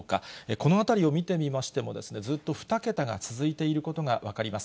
このあたりを見てみましても、ずっと２桁が続いていることが分かります。